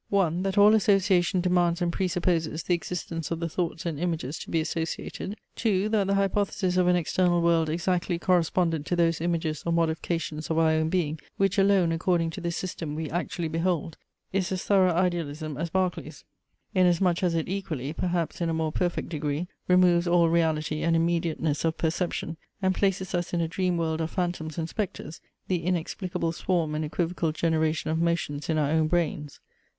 1. That all association demands and presupposes the existence of the thoughts and images to be associated. 2. That the hypothesis of an external world exactly correspondent to those images or modifications of our own being, which alone, according to this system, we actually behold, is as thorough idealism as Berkeley's, inasmuch as it equally, perhaps in a more perfect degree, removes all reality and immediateness of perception, and places us in a dream world of phantoms and spectres, the inexplicable swarm and equivocal generation of motions in our own brains.